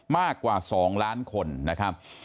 มากกว่า๒ล้านคนนะครับ